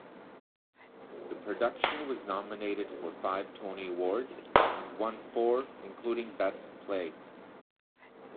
The production was nominated for five Tony Awards and won four, including Best Play.